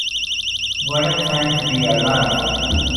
What a time to be alive.